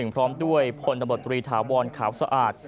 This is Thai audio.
พร้อมด้วยพลตำรวจตรีถาวรขาวสะอาด